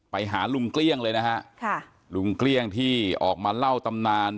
ไปหาลุงเกลี้ยงเลยนะฮะค่ะลุงเกลี้ยงที่ออกมาเล่าตำนาน